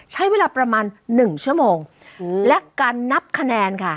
ใช้เวลาประมาณ๑ชั่วโมงและการนับคะแนนค่ะ